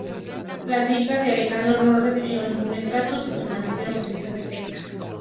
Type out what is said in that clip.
Las hijas de Alejandro no recibieron ningún estatus y permanecieron princesas de Teck.